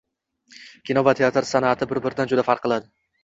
Kino va teatr san’ati bir-biridan juda farq qiladi.